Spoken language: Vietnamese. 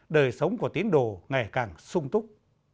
đời sống của tín đồ ngày càng sung túc